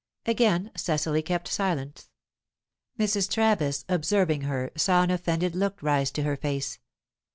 Again Cecily kept silence. Mrs. Travis, observing her, saw an offended look rise to her face.